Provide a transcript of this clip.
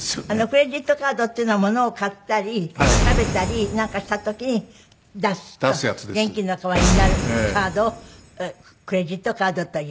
クレジットカードっていうのはものを買ったり食べたりなんかした時に出すと現金の代わりになるカードをクレジットカードという。